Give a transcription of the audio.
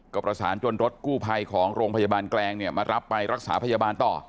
ก็ประสานจนรถกู้ภัยของโรงพยาบาลแกลงเนี่ยมารับไปรักษาพยาบาลต่อ